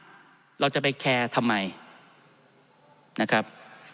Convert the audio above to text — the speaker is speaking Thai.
ท่านประธานครับนี่คือสิ่งที่สุดท้ายของท่านครับ